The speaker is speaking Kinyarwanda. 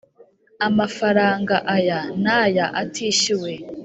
amafaranga aya n aya atishyuwe